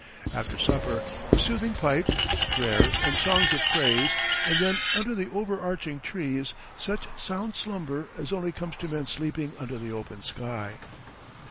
After supper the soothing pipe, prayers and songs of praise, and then under the over arching trees such sound slumber as only comes to men sleeping under the open sky.